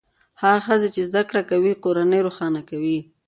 هغه ښځې چې زده کړې کوي کورنۍ روښانه کوي.